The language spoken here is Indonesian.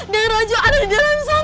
dengar aja ada di dalam sana